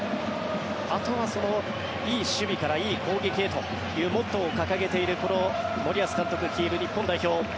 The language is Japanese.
あとはいい守備からいい攻撃へというモットーを掲げているこの森保監督率いる日本代表。